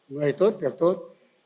người tốt việc tốt